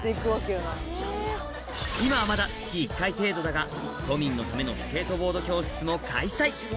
今はまだ月１回程度だが都民のためのスケートボード教室も開催